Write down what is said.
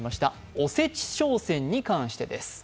おせち商戦に関してです。